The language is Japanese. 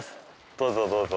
どうぞどうぞ。